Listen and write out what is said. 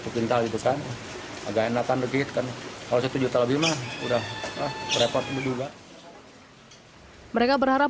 kepintal gitu kan agak enakan dikit kan kalau satu juta lebih mah udah repot juga mereka berharap